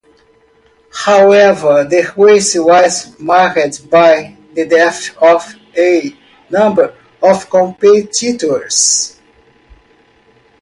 However, the race was marred by the death of a number of competitors.